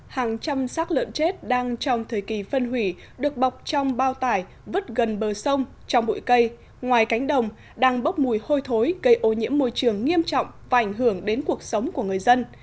hàng trăm xác lợn chết đang trong thời kỳ phân hủy được bọc trong bao tải vứt gần bờ sông trong bụi cây ngoài cánh đồng đang bốc mùi hôi thối gây ô nhiễm môi trường nghiêm trọng và ảnh hưởng đến cuộc sống của người dân